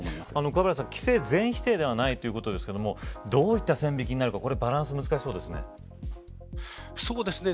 桑原さん、規制全否定ではないということですがどういった規制になるかバランスが難しそうですね。